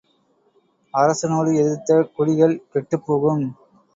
அரசனோடு எதிர்த்த குடிகள் கெட்டுப்போகும்.